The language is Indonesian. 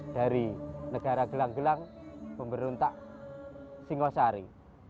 dari negara gelang gelang pemberontak singosari